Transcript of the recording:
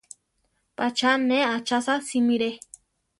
Pacha ne achasa simiré.